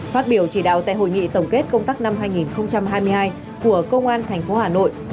phát biểu chỉ đạo tại hội nghị tổng kết công tác năm hai nghìn hai mươi hai của công an tp hà nội